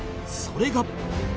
それが